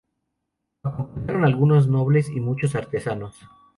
Lo acompañaron algunos nobles y muchos artesanos.